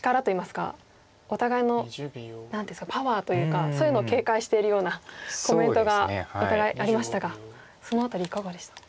お互いの何ですかパワーというかそういうのを警戒してるようなコメントがお互いありましたがその辺りいかがでした？